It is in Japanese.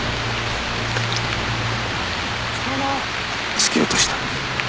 突き落とした。